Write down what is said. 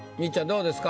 どうですか？